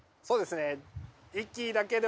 そうですね。